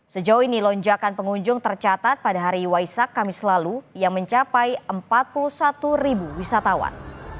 sejauh ini lonjakan pengunjung tercatat pada hari waisak kamis lalu yang mencapai empat puluh satu ribu wisatawan